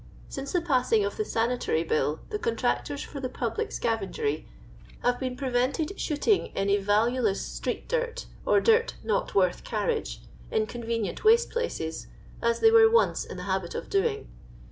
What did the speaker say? Since the passing of the SaniUiry Bill, the contractors for the public scavengery have been prevented " shooting " any valueless street dirt, or dirt "not worth carriage" in convenient waste places, as they were once in the habit of doing.